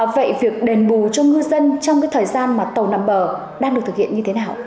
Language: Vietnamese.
vậy việc đền bù cho ngư dân trong cái thời gian mà tàu nằm bờ đang được thực hiện như thế nào